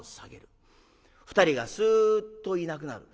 ２人がスッといなくなる。